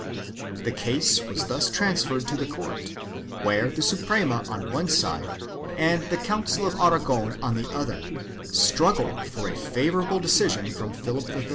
The case was thus transferred to the court, where the Suprema on one side and the Council of Aragon on the other, struggled for a favorable decision from Philip III.